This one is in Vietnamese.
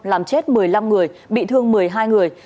làm chết một mươi năm người bị thương một mươi hai người